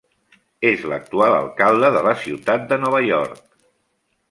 És l'actual alcalde de la ciutat de Nova York.